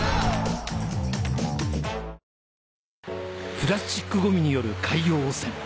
プラスチックゴミによる海洋汚染